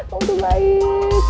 waktu baik banget